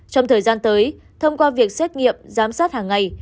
trong thời gian tới thông qua việc xét nghiệm giám sát hàng ngày